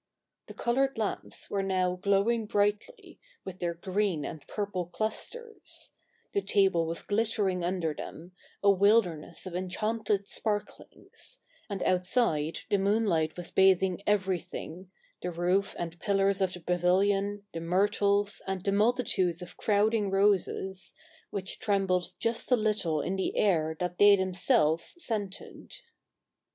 The coloured lamps were now glowing brightly, with their green and purple clusters ; the table was glittering 2o6 THE NEW REPUBLIC [pk. iv under them, a wilderness of enchanted sparklings ; and outside the moonlight was bathing everything, the roof and pillars of the pavilion, the myrtles, and the multitudes of crowding roses, which trembled just a little in the air that they themselves scented.